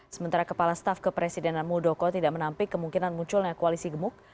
sementara kepala staf kepresidenan muldoko tidak menampik kemungkinan munculnya koalisi gemuk